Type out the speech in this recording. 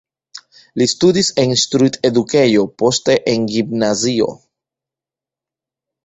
Li studis en instruist-edukejo, poste en gimnazio.